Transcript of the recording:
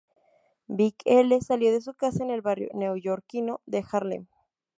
Big L salió de su casa en el barrio neoyorquino de Harlem.